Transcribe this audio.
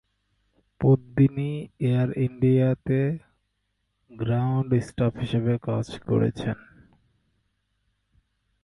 Padmini 'Air India' তে ground staff হিসেবে কাজ করেছেন।